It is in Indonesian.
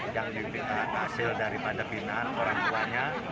yang dipindahkan hasil daripada pembinaan orang tuanya